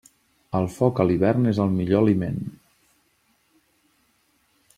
El foc a l'hivern és el millor aliment.